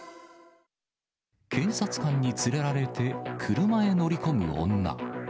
警察官に連れられて車へ乗り込む女。